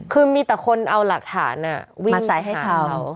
คือมีแต่คนเอาหลักฐานอ่ะวิ่งมาสายให้ทานเขา